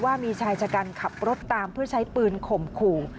ว่ามีชายชะกันขับรถตามเพื่อใช้ปืนข่มขู่